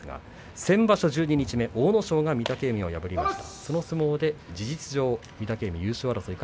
先場所、十二日目阿武咲が御嶽海を破りました。